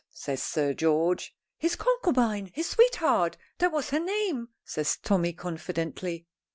says Sir George. "His concubine. His sweetheart. That was her name," says Tommy confidently.